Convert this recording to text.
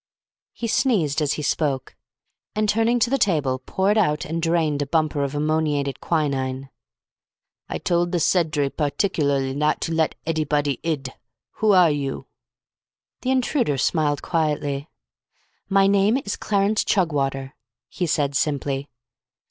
He sneezed as he spoke, and, turning to the table, poured out and drained a bumper of ammoniated quinine. "I told the sedtry pardicularly not to let adybody id. Who are you?" The intruder smiled quietly. "My name is Clarence Chugwater," he said simply.